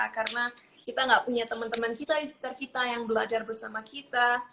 karena kita gak punya teman teman kita di sekitar kita yang belajar bersama kita